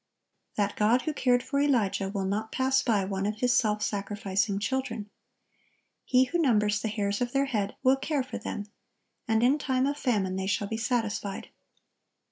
That God who cared for Elijah, will not pass by one of His self sacrificing children. He who numbers the hairs of their head, will care for them; and in time of famine they shall be satisfied.